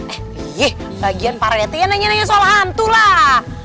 eh iya bagian para nete yang nanya nanya soal hantu lah